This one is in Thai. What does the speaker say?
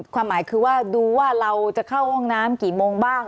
ความหมายคือว่าดูว่าเราจะเข้าห้องน้ำกี่โมงบ้าง